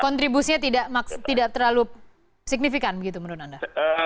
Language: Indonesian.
kontribusinya tidak terlalu signifikan begitu menurut anda